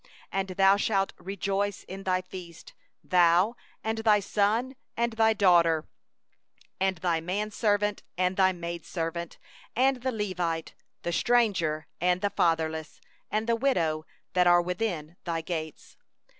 14And thou shalt rejoice in thy feast, thou, and thy son, and thy daughter, and thy man servant, and thy maid servant, and the Levite, and the stranger, and the fatherless, and the widow, that are within thy gates.